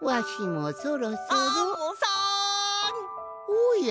おや？